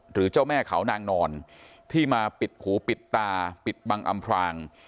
เจ้าแม่เขานางนอนที่มาปิดหูปิดตาปิดบังอำพราง